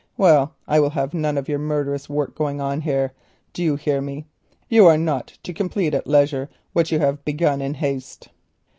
Well, I will have none of your murderous work going on here. Do you hear me? You are not to complete at leisure what you have begun in haste."